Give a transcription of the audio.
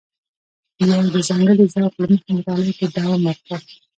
بیا یې د ځانګړي ذوق له مخې مطالعه ته دوام ورکړ.